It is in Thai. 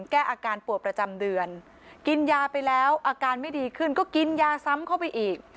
แก้อาการปวดประจำเดือนกินยาไปแล้วอาการไม่ดีขึ้นก็กินยาซ้ำเข้าไปอีก